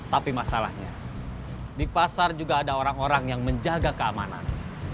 tapi masalahnya di pasar juga ada orang orang yang menjaga keamanan